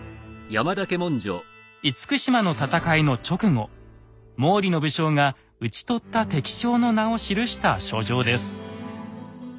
厳島の戦いの直後毛利の武将が討ち取った敵将の名を記した書状です。